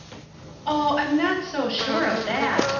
" Oh, I'm not so sure of that.